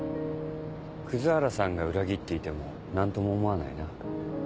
葛原さんが裏切っていても何とも思わないな。